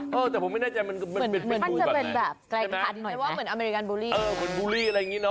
อ๋อหรอแต่ผมไม่แน่ใจมันเป็นฟรีบุรีแบบไหน